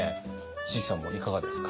椎木さんもいかがですか？